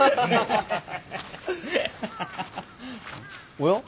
おや？